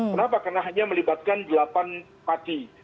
kenapa karena hanya melibatkan delapan pati